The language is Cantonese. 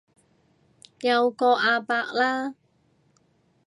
有個阿伯啦